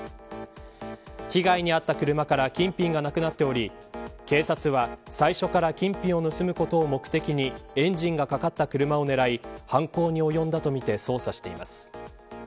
被害に遭った車から金品がなくなっており警察は、最初から金品を盗むことを目的にエンジンがかかった車を狙い犯行に及んだとみて捜査しています。